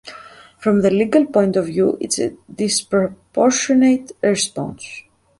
From the legal point of view, it’s a disproportionate response.